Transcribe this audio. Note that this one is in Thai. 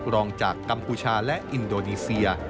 รองจากกัมพูชาและอินโดนีเซีย